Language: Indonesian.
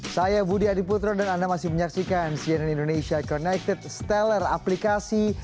saya budi adiputro dan anda masih menyaksikan cnn indonesia connected steller aplikasi